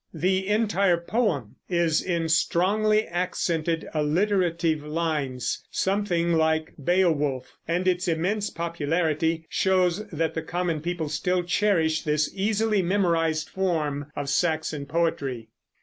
The entire poem is in strongly accented, alliterative lines, something like Beowulf, and its immense popularity shows that the common people still cherished this easily memorized form of Saxon poetry.